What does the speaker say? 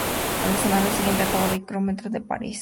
A la semana siguiente acabó decimotercero de la Paris-Roubaix.